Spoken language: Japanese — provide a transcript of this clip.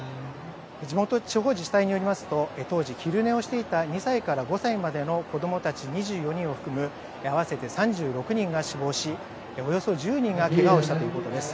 地方自治体によりますと、当時、昼寝をしていた２歳から５歳までの子どもたち２４人を含む合わせて３６人が死亡し、およそ１０人がけがをしたということです。